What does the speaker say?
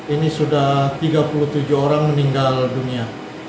ini sudah tiga puluh tujuh orang meninggal dunia